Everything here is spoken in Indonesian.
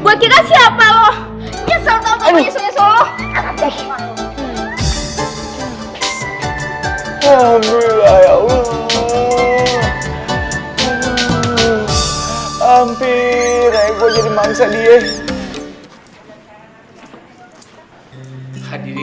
buat kita siapa loh